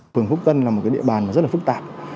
phường phúc tân là một địa bàn rất là phức tạp